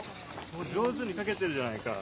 上手に描けてるじゃないか。